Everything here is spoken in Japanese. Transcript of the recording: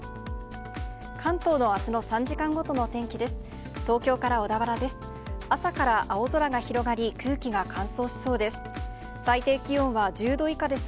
関東のあすの３時間ごとのお天気です。